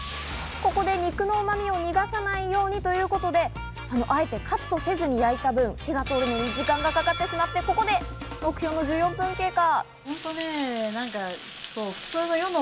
ただ、ここで肉のうまみを逃がさないようにということで、あえてカットせずに焼いた分、火が通るのに時間がかかってしまって、ここで目標の１４分経過。